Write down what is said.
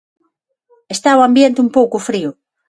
Está o ambiente un pouco frío.